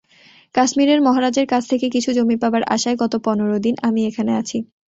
কাশ্মীরের মহারাজের কাছ থেকে কিছু জমি পাবার আশায় গত পনর দিন আমি এখানে আছি।